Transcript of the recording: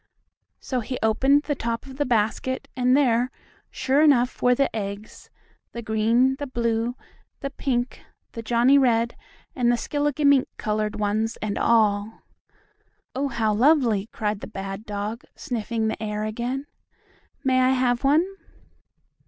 So he opened the top of the basket and there, sure enough, were the eggs, the green, the blue, the pink, the Johnnie red and the skilligimink colored ones and all. "Oh, how lovely!" cried the bad dog, sniffing the air again. "May I have one?"